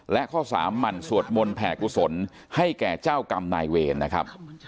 และข้อสามหมั่นสวดมนต์แผ่กุศลให้แก่เจ้ากรรมนายเวรนะครับ